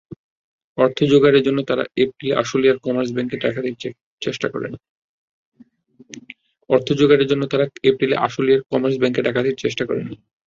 অর্থ জোগাড়ের জন্য তারা এপ্রিলে আশুলিয়ার কমার্স ব্যাংকে ডাকাতির চেষ্টা করে।